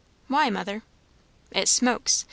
"Why, mother?" "It smokes.